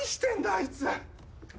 あいつ。